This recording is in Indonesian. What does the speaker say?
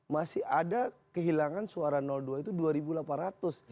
masih ada kehilangan suara dua itu dua delapan ratus